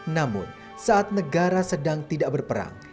namun saat negara sedang tidak berperang